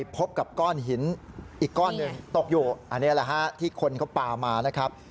พบกับก้อนหินอีกก้อนหนึ่งตกอยู่อันนี้แหละฮะที่คนเขาปลามานะครับ